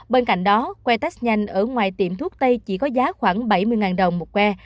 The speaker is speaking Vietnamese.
bên cạnh đó que test nhanh ở ngoài tiệm thuốc tây chỉ có giá khoảng bảy mươi đồng một que